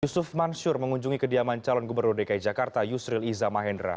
yusuf mansur mengunjungi kediaman calon gubernur dki jakarta yusril iza mahendra